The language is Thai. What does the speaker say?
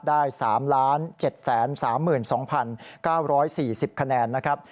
ได้๓๗๓๒๙๔๐คะแนนนะครับ